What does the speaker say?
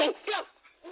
lo sudah bisa berhenti